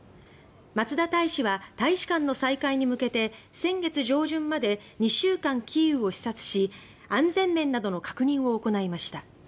松田大使は大使館の再開に向けて先月上旬まで２週間キーウを視察し安全面などの確認を行いました。